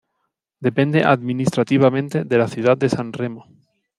Depende administrativamente de la ciudad de San Remo.